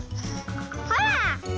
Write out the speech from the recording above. ほら！